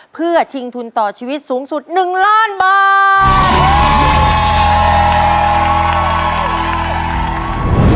เพื่อชิงทุนต่อชีวิตสูงสุด๑ล้านบาท